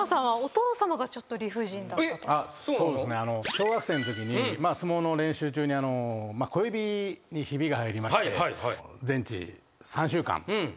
小学生のときに相撲の練習中に小指にひびが入りまして全治３週間って言われて。